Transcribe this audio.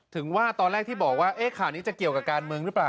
ถึงว่าตอนแรกที่บอกว่าข่าวนี้จะเกี่ยวกับการเมืองหรือเปล่า